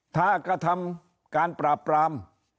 ถ้ากระทำการปราบปราม